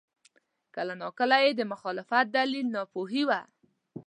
کله ناکله یې د مخالفت دلیل ناپوهي وه.